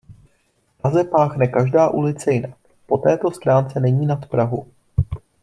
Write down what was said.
V Praze páchne každá ulice jinak; po této stránce není nad Prahu.